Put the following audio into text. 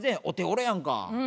お手ごろやんか。